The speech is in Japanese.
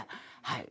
はい。